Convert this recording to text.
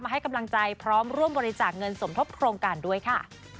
ให้กำลังใจพร้อมร่วมบริจาคเงินสมทบโครงการด้วยค่ะ